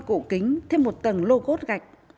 cụ kính thêm một tầng lô gốt gạch